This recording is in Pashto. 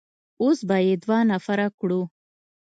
اوس به يې دوه نفره کړو.